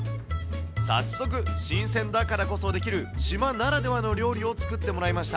早速、新鮮だからこそできる、島ならではの料理を作ってもらいました。